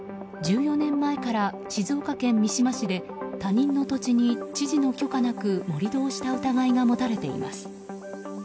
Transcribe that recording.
１４年前から静岡県三島市で他人の土地に知事の許可なく盛り土をした疑いが持たれています。